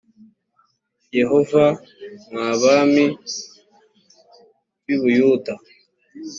yehova mwa bami b i buyuda